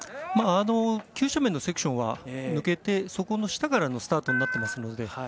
急斜面のセクションは抜けてそこの下からのスタートになっていますので。